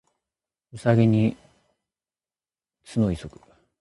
兎に角急ぐ